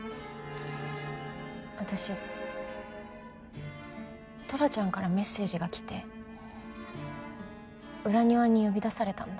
私トラちゃんからメッセージが来て裏庭に呼び出されたんだ。